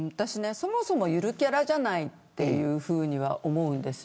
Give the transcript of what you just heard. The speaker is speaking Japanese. そもそも、ゆるキャラじゃないというふうには思うんです。